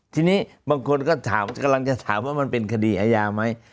ทีนี้บางคนก็ถามกำลังจะถามว่ามันเป็นคดีอาญาไหม